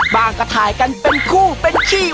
ก็ถ่ายกันเป็นคู่เป็นขี้